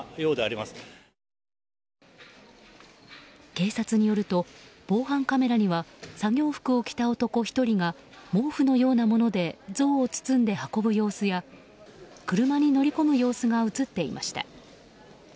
警察によると、防犯カメラには作業服を着た男１人が毛布のようなもので像を包んで運ぶ様子や車に乗り込む様子が映っていました。